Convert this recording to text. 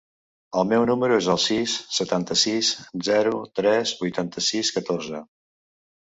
El meu número es el sis, setanta-sis, zero, tres, vuitanta-sis, catorze.